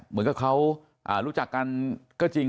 เหมือนกับเขารู้จักกันก็จริง